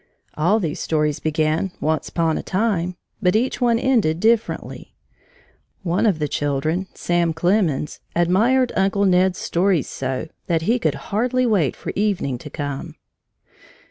All these stories began "Once 'pon a time," but each one ended differently. One of the children, Sam Clemens, admired Uncle Ned's stories so that he could hardly wait for evening to come.